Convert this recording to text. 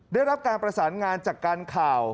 ได้รับการประสานงานจากการข่าว